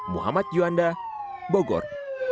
muhammad yuanda bogor